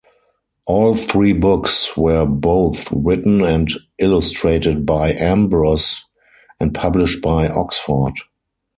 All three books were both written and illustrated by Ambrus and published by Oxford.